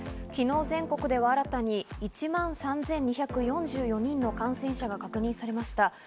昨日、全国で新たに１万３２４４人の感染者が確認されました。